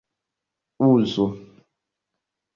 uzu